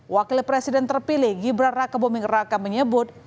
wakil presiden terpilih gibran raka buming raka menyebut